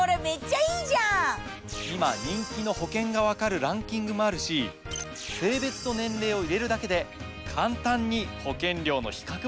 今人気の保険が分かるランキングもあるし性別と年齢を入れるだけで簡単に保険料の比較もできちゃうんです。